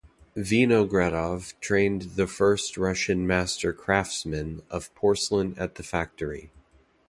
Vinogradov trained the first Russian master craftsmen of porcelain at the factory.